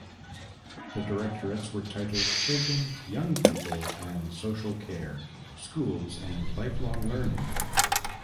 The Directorates were titled Children, Young People and Social Care; Schools; and Lifelong Learning.